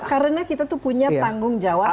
karena kita tuh punya tanggung jawab